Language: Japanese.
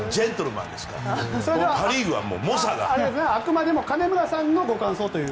あくまでも金村さんのご感想だと。